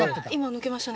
抜けました。